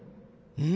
うん？